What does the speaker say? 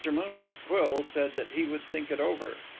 Moonlight Quill said that he would think it over.